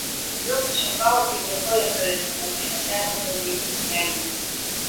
Той самы лёс чакаў і другое крэсла, пакінутае ў глыбіні сцэны.